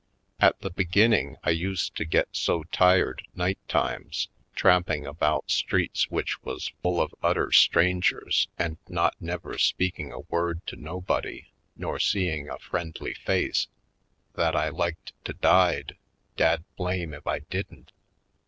At the beginning I used to get so tired, night times, tramping about streets which was full of utter strangers and not never speaking a word to nobody nor seeing a friendly face, that I liked to died, dad blame if I didn't!